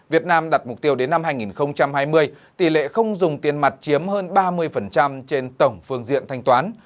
việt nam đặt mục tiêu đến năm hai nghìn hai mươi tỷ lệ không dùng tiền mặt chiếm hơn ba mươi trên tổng phương diện thanh toán